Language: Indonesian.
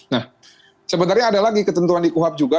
nah sebenarnya ada lagi ketentuan di kuhap juga